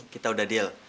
kita udah deal